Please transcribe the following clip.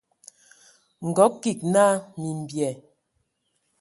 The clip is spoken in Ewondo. Nkɔg kig naa : "Mimbyɛ".